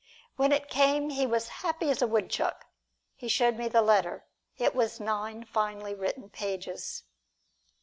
When it came he was as happy as a woodchuck. He showed me the letter: it was nine finely written pages.